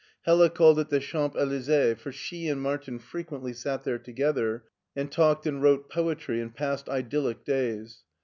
Hella called it the Champs Elysees, for she and Martin frequently sat there together and talked and wrote poetry and passed idyllic days.